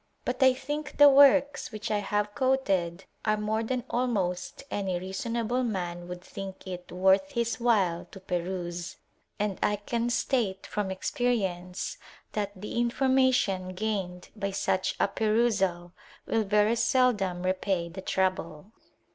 But I think the works which I have quoted are more than almost any reasonable man would think it worth his while to peruse ; and I can state, from ex perience, that the information gained by such a perusa will very seldom repay the trouble.